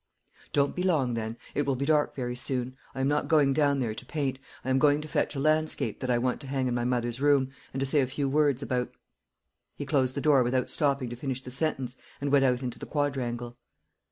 "Don't be long, then. It will be dark very soon. I am not going down there to paint; I am going to fetch a landscape that I want to hang in my mother's room, and to say a few words about " He closed the door without stopping to finish the sentence, and went out into the quadrangle.